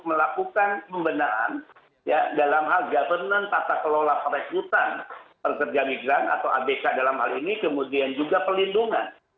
melakukan pembenahan dalam hal governance tata kelola perekrutan pekerja migran atau abk dalam hal ini kemudian juga pelindungan